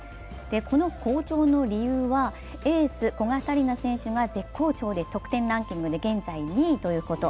この好調の理由はエース・古賀紗理那選手が絶好調で得点ランキングで現在２位ということ。